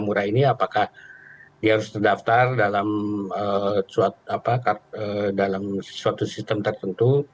murah ini apakah dia harus terdaftar dalam suatu sistem tertentu